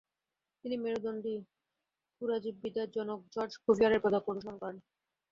তিনি মেরুদন্ডী পুরাজীববিদ্যার জনক জর্জ কুভিয়ারের পদাঙ্ক অনুসরণ করেন।